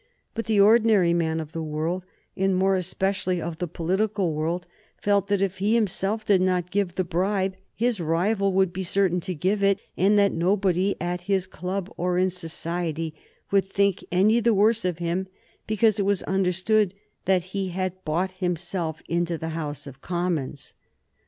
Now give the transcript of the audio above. But the ordinary man of the world, and more especially of the political world, felt that if he himself did not give the bribe his rival would be certain to give it, and that nobody at his club or in society would think any the worse of him because it was understood that he had bought himself into the House of Commons.